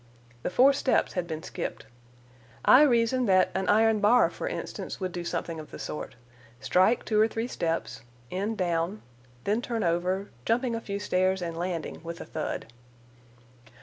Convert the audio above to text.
The four steps had been skipped. I reasoned that an iron bar, for instance, would do something of the sort,—strike two or three steps, end down, then turn over, jumping a few stairs, and landing with a thud.